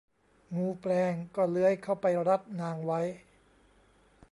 งูแปลงก็เลื้อยเข้าไปรัดนางไว้